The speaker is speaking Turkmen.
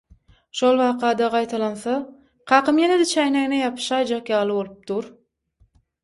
şol waka-da gaýtalansa, kakam ýene-de çäýnegine ýapyşaýjak ýaly bolup dur.